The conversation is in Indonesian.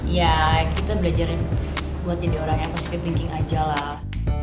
ya kita belajarin buat jadi orang yang positif thinking aja lah